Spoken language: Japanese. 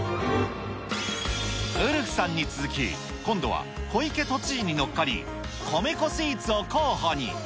ウルフさんに続き、今度は小池都知事に乗っかり、米粉スイーツを候補に。